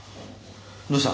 どうした？